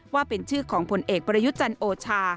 ว่าเป็นชื่อของผลเอกประยุทธ์จันทร์โอชา